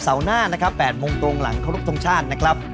หน้านะครับ๘โมงตรงหลังเคารพทงชาตินะครับ